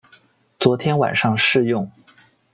昨天晚上试用